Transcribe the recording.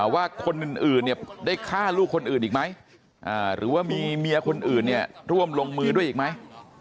ว่าคนอื่นเนี่ยได้ฆ่าลูกคนอื่นอีกไหมหรือว่ามีเมียคนอื่นเนี่ยร่วมลงมือด้วยอีกไหม